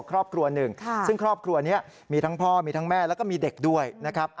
ครอบครัวหนึ่งซึ่งครอบครัวนี้มีทั้งพ่อมีทั้งแม่แล้วก็มีเด็กด้วยนะครับ